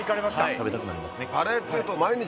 食べたくなりますね。